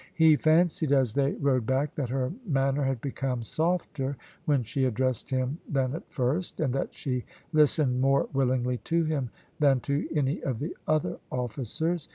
He fancied as they rode back that her manner had become softer when she addressed him than at first, and that she listened more willingly to him than to any of the other officers.